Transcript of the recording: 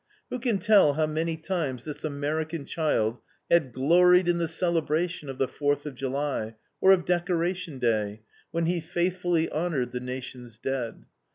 Who can tell how many times this American child had gloried in the celebration of the Fourth of July, or of Decoration Day, when he faithfully honored the Nation's dead?